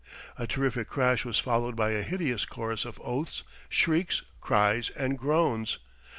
A terrific crash was followed by a hideous chorus of oaths, shrieks, cries and groans.